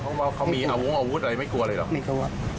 ต้องว่าเขามีอวงอาวุธอะไรไม่กลัวเลยเหรอ